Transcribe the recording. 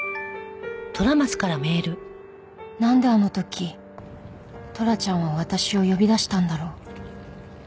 なんであの時トラちゃんは私を呼び出したんだろう。